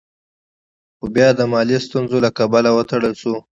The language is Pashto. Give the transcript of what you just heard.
خو بيا د مالي ستونزو له کبله وتړل شوه.